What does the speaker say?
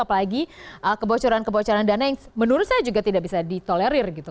apalagi kebocoran kebocoran dana yang menurut saya juga tidak bisa ditolerir gitu